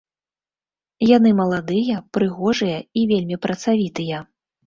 Яны маладыя, прыгожыя і вельмі працавітыя.